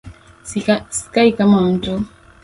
Sikai kama mtu